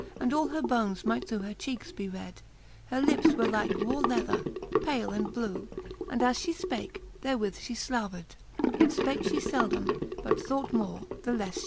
And all her bones might through her cheekes be red :. Her lips were hke raw lether, pale and blew, And as fhe fpake, therewith fhe flavered ; Yet fpake fhe feldom, but thought more, the lefle flie fed.